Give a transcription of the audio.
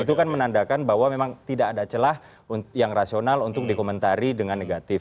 itu kan menandakan bahwa memang tidak ada celah yang rasional untuk dikomentari dengan negatif